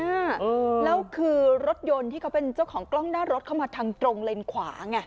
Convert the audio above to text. แล้วคือรถยนต์ที่เขาเป็นเจ้าของกล้องหน้ารถเข้ามาทางตรงเลนขวาไง